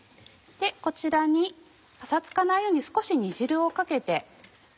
こちらにパサつかないように少し煮汁をかけて。